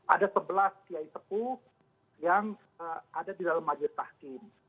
ada sebelas kiai tepuh yang ada di dalam majelis tahkim